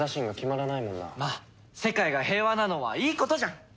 まあ世界が平和なのはいいことじゃん！